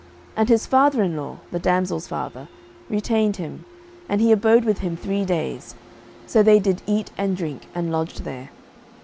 07:019:004 And his father in law, the damsel's father, retained him; and he abode with him three days: so they did eat and drink, and lodged there.